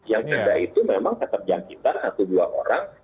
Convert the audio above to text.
yang ada itu memang keterjangkitan satu dua orang